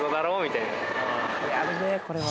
やるねぇこれは。